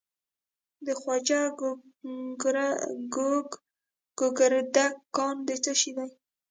د خواجه ګوګردک کان د څه شي دی؟